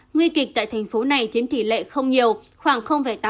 nguy kịch tại thành phố này chiếm tỷ lệ không nhiều khoảng tám